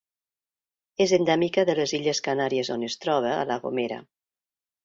És endèmica de les Illes Canàries on es troba a La Gomera.